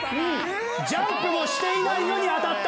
ジャンプもしていないのに当たった。